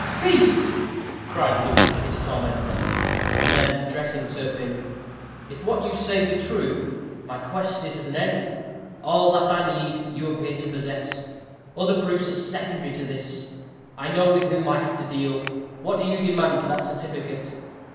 "Peace!" cried Luke to his tormentor; and then addressing Turpin, "if what you say be true, my quest is at an end. All that I need, you appear to possess. Other proofs are secondary to this. I know with whom I have to deal. What do you demand for that certificate?"